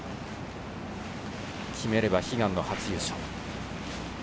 決めれば悲願の初優勝。